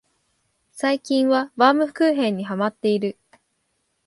最近はバウムクーヘンにハマってる